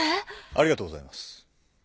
ありがとうございます。